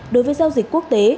đối với giao dịch quốc tế